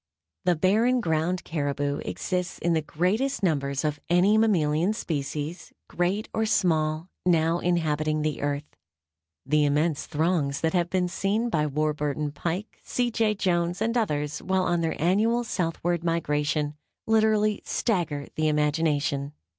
The animal has its summer coat of hair] The Barren Ground caribou exists in the greatest numbers of any mammalian species, great or small, now inhabiting the earth. The immense throngs that have been seen by Warburton Pike, C. J. Jones and others, while on their annual southward migration, literally stagger the imagination.